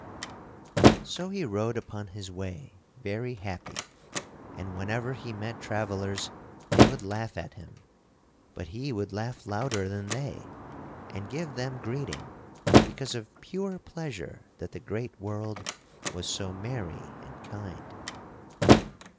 So he rode upon his way very happy, and whenever he met travellers, they would laugh at him; but he would laugh louder than they and give them greeting because of pure pleasure that the great world was so merry and kind.